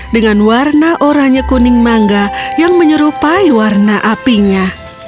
dengan warna oranye kuning mangga yang menyerupai warna apinya